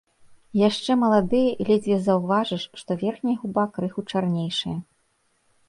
Яшчэ малады, ледзьве заўважыш, што верхняя губа крыху чарнейшая.